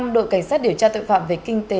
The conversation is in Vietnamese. năm đội cảnh sát điều tra tội phạm về kinh tế